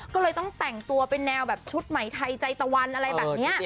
ก็เลยต้องแต่งตัวเป็นแนวแบบชุดใหม่ไทยใจตะวันอะไรแบบนี้